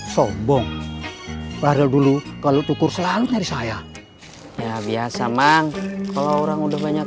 sobong baru dulu kalau cukur selalu dari saya ya biasa mang kalau orang udah banyak